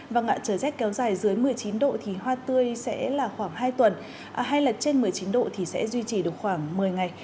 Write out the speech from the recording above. vâng ạ trời rét kéo dài dưới một mươi chín độ thì hoa tươi sẽ là khoảng hai tuần hay là trên một mươi chín độ thì sẽ duy trì được khoảng một mươi ngày